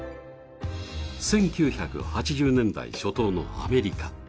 １９８０年代初頭のアメリカ。